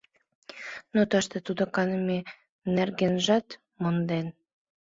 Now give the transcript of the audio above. — Но... тыште тудо каныме нергенжат монден.